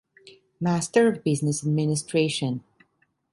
Master of Business Administration.